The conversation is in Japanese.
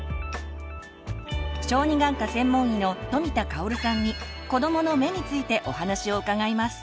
小児眼科専門医の富田香さんに「子どもの目」についてお話を伺います。